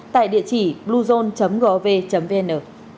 tại địa chỉ bluezone gov vn